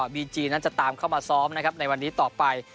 บีจีนั้นจะตามเข้ามาซ้อมนะครับในวันนี้ต่อไป